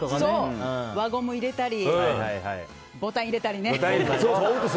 輪ゴムを入れたりボタン入れたりね。